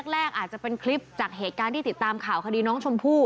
แรกอาจจะเป็นคลิปจากเหตุการณ์ที่ติดตามข่าวคดีน้องชมพู่